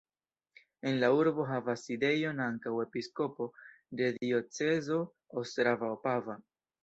En la urbo havas sidejon ankaŭ episkopo de diocezo ostrava-opava.